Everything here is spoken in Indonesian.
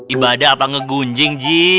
ibadah apa ngegunjing ci